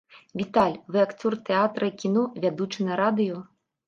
Віталь, вы акцёр тэатра і кіно, вядучы на радыё.